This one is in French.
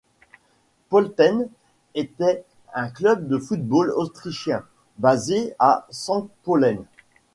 Pölten était un club de football autrichien basé à Sankt Pölten.